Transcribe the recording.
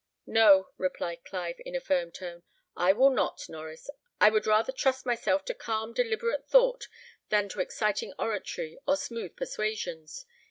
"No," replied Clive, in a firm tone, "I will not, Norries; I would rather trust myself to calm deliberate thought than to exciting oratory or smooth persuasions.